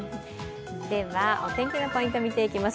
ではお天気のポイント、見ていきます。